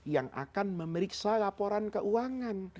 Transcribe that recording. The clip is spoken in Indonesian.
yang akan memeriksa laporan keuangan